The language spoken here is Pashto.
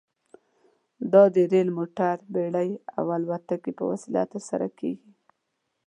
دا د ریل، موټر، بېړۍ او الوتکې په وسیله ترسره کیږي.